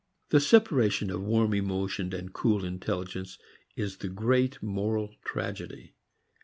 The separation of warm emotion and cool intelligence is the great moral tragedy.